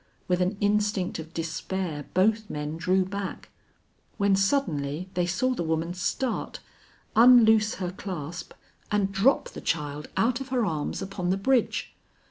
With an instinct of despair both men drew back, when suddenly they saw the woman start, unloose her clasp and drop the child out of her arms upon the bridge.